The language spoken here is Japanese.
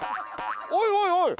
おいおいおい！